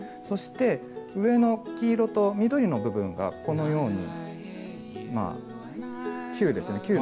そして上の黄色と緑の部分がこのようにまあ球ですよね